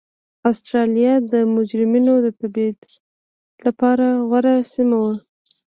اسټرالیا د مجرمینو د تبعید لپاره غوره سیمه وه.